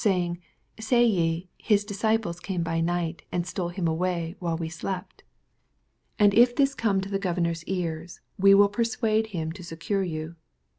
18 Baying, Say ye, His disciples came by night, and stole him away while we slept. 14 And it this come to the gov ernor's ears, we will persuade him and secure yoa.